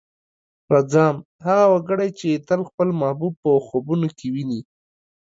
رځام: هغه وګړی چې تل خپل محبوب په خوبونو کې ويني.